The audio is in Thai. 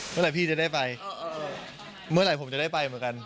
เมื่อไหร่พี่จะได้ไปเมื่อไหร่ผมจะได้ไปเหมือนกัน